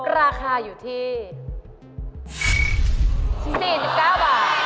ราคาอยู่ที่๔๙บาท